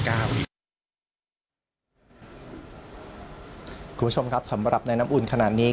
คุณผู้ชมครับสำหรับในน้ำอุ่นขนาดนี้